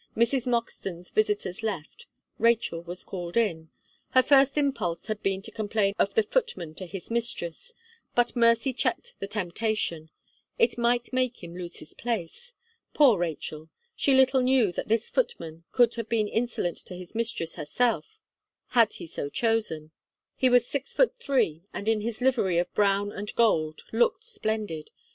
Mrs. Moxton's visitors left; Rachel was called in. Her first impulse had been to complain of the footman to his mistress; but mercy checked the temptation; it might make him lose his place. Poor Rachel! she little knew that this footman could have been insolent to his mistress herself, had he so chosen. He was six foot three, and, in his livery of brown and gold, looked splendid.